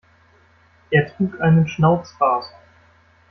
Er trug einen Schnauzbart.